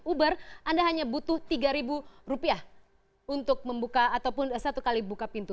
uber anda hanya butuh rp tiga untuk membuka atau satu kali buka pintu